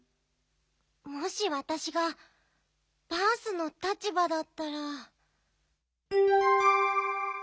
もしわたしがバースの立ばだったら。